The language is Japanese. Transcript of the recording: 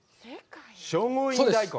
聖護院大根。